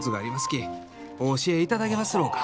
きお教えいただけますろうか？」。